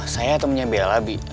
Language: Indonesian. saya temennya bella bi